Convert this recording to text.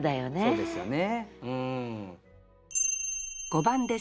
そうですよね。